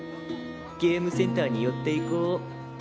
ゲームセンターに寄っていこう。